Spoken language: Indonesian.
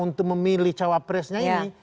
untuk memilih cowapresnya ini